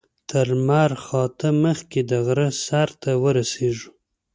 تر لمر خاته مخکې د غره سر ته ورسېږو.